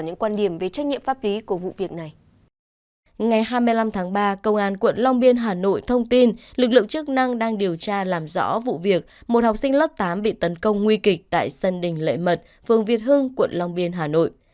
ngày hai mươi năm tháng ba công an quận long biên hà nội thông tin lực lượng chức năng đang điều tra làm rõ vụ việc một học sinh lớp tám bị tấn công nguy kịch tại sân đỉnh lệ mật phường việt hưng quận long biên hà nội